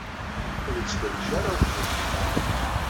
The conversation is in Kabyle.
Ur ittkerric ara weqjun-iw.